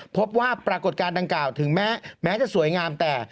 พบว่าปรากฏการณ์ดังกล่าวถึงแม้จะสวยงามแต่